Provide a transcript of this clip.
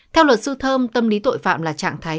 theo luật sư thơm tâm lý tội phạm là trạng thái